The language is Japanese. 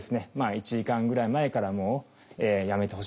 １時間ぐらい前からもうやめてほしいと思います。